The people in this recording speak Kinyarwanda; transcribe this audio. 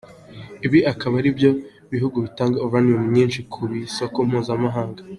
Ibi akaba ari byo bihugu bitanga Uranium nyinshi ku isoko mpuzamahanga.